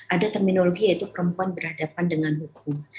ada terminologi yaitu perempuan berhadapan dengan hukum